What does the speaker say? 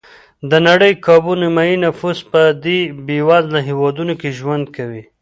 د نړۍ کابو نیمایي نفوس په دې بېوزله هېوادونو کې ژوند کوي.